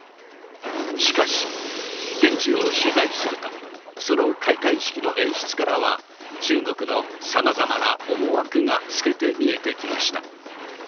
しかし、現地を取材すると、その開会式の演出からは、中国のさまざまな思惑が透けて見えてきました。